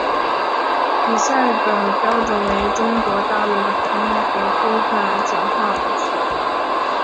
比赛的标准为中国大陆的普通话和规范简化字。